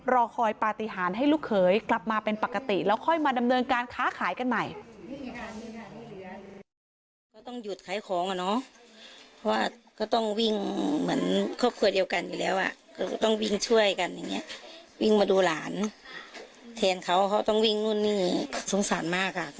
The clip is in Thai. รอคอยปฏิหารให้ลูกเขยกลับมาเป็นปกติแล้วค่อยมาดำเนินการค้าขายกันใหม่